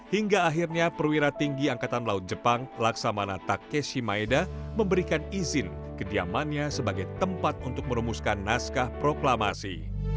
hingga akhirnya perwira tinggi angkatan laut jepang laksamana takeshi maeda memberikan izin kediamannya sebagai tempat untuk merumuskan naskah proklamasi